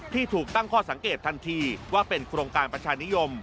ถูกตั้งข้อสังเกตทันทีว่าเป็นโครงการประชานิยม